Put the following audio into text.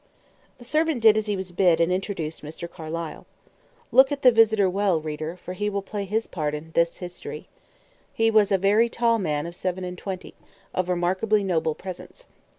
The servant did as he was bid, and introduced Mr. Carlyle. Look at the visitor well, reader, for he will play his part in this history. He was a very tall man of seven and twenty, of remarkably noble presence.